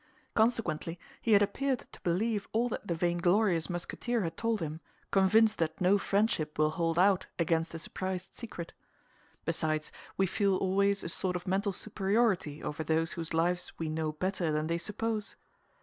Consequently he had appeared to believe all that the vainglorious Musketeer had told him, convinced that no friendship will hold out against a surprised secret. Besides, we feel always a sort of mental superiority over those whose lives we know better than they suppose.